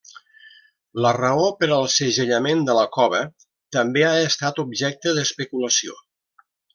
La raó per al segellament de la cova també ha estat objecte d'especulació.